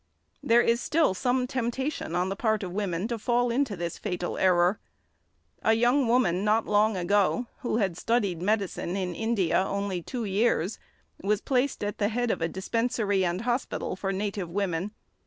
There is still some temptation on the part of women to fall into this fatal error. A young woman, not long ago, who had studied medicine in India only two years, was placed at the head of a dispensary and hospital for native women.